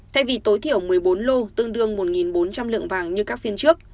thay vì tối thiểu một mươi bốn lô tương đương một bốn trăm linh lượng vàng như các phiên trước